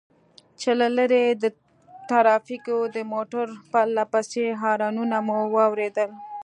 چې له لرې د ټرافيکو د موټر پرله پسې هارنونه مو واورېدل.